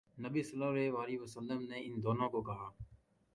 نبی صلی اللہ علیہ وسلم نے ان دونوں کو کہا